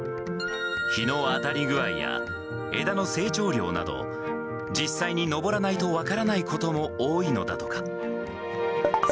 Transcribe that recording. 日の当たり具合や、枝の成長量など、実際に登らないと分からないことも多いのだとか。